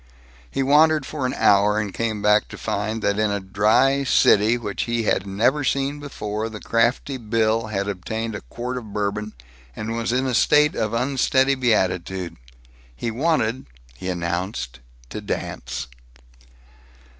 He wandered for an hour and came back to find that, in a "dry" city which he had never seen before, the crafty Bill had obtained a quart of Bourbon, and was in a state of unsteady beatitude. He wanted, he announced, to dance.